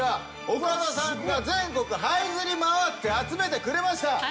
岡田さんが全国はいずり回って集めてくれました